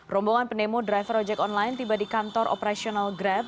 rombongan pendemo driver ojek online tiba di kantor operasional grab